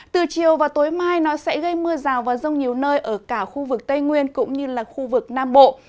từ chiều và tối mai nó sẽ gây mưa rào và rông nhiều nơi ở cả khu vực tây nguyên cũng như là khu vực nam bộ